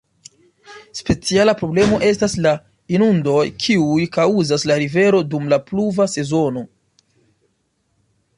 Speciala problemo estas la inundoj kiuj kaŭzas la rivero dum la pluva sezono.